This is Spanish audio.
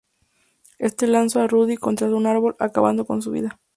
Éste lanzó a Rudy contra un árbol, acabando con su vida.